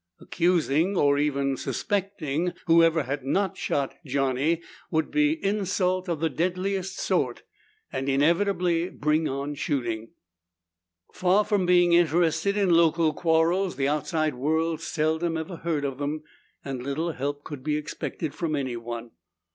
Accusing, or even suspecting, whoever had not shot Johnny would be insult of the deadliest sort and inevitably bring on shooting. Far from being interested in local quarrels, the outside world seldom even heard of them and little help could be expected from anyone.